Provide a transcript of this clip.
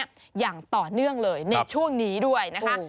อย่างต่อเนื่องเลยในช่วงนี้ด้วยนะคะ